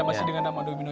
ya masih dengan nama domino